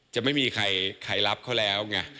จะไม่มีใครรับเขาแล้วไง